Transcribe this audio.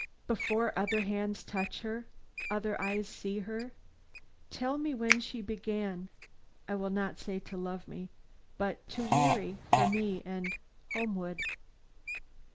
"Before other hands touch her, other eyes see her, tell me when she began I will not say to love me, but to weary for me and Homewood."